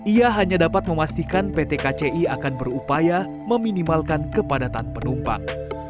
ia hanya dapat memastikan pt kci akan berupaya meminimalkan kepadatan penumpang